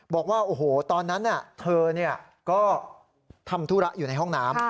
บอกว่าโอ้โหตอนนั้นเธอก็ทำธุระอยู่ในห้องน้ำ